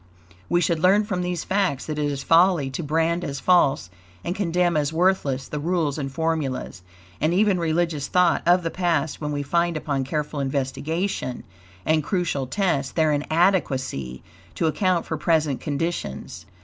We should learn from these facts that it is folly to brand as false and condemn as worthless the rules and formulas, and even religious thought, of the past when we find upon careful investigation and crucial tests their inadequacy to account for present conditions.